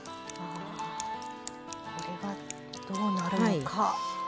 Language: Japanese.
これがどうなるのか。